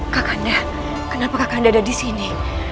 kak kanda kenapa kak kanda ada disini